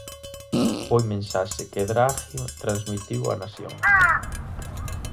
Foi mensaxe que Draghi transmitiu á nación.